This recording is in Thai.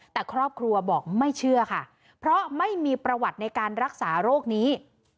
แต่ครอบครัวบอกไม่เชื่อค่ะเพราะไม่มีประวัติในการรักษาโรคนี้